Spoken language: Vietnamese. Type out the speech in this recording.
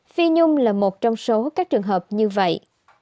phi nhung là một trong số các trường hợp như vậy